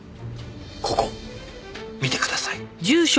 ここ見てください。